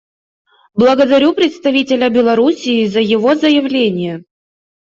Благодарю представителя Беларуси за его заявление.